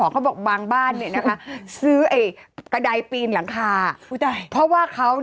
ย้ายวนไปซื้มบรรยาณน้ำพาร้ามาด้วย